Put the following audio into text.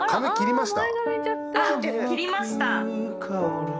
切りました。